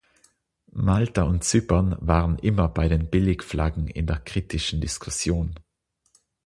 Malta und Zypern waren immer bei den Billigflaggen in der kritischen Diskussion.